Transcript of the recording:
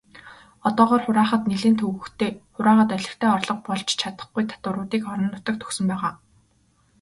Одоогоор хураахад нэлээн төвөгтэй, хураагаад олигтой орлого болж чадахгүй татваруудыг орон нутагт өгсөн байгаа.